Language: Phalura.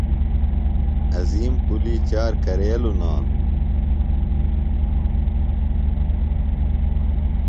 عظیم پُلی چار کرے لُنانوۡ؟